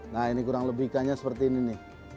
nah ini kurang lebih ikannya seperti ini nih